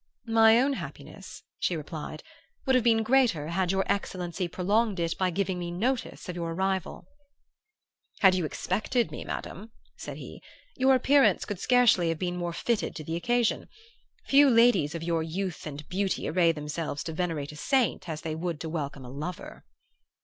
"'My own happiness,' she replied, 'would have been greater had your excellency prolonged it by giving me notice of your arrival.' "'Had you expected me, Madam,' said he, 'your appearance could scarcely have been more fitted to the occasion. Few ladies of your youth and beauty array themselves to venerate a saint as they would to welcome a lover.